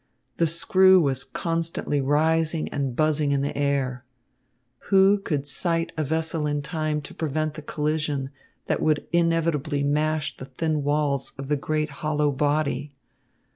The screw was constantly rising and buzzing in the air. Who could sight a vessel in time to prevent the collision that would inevitably smash in the thin walls of the great hollow body?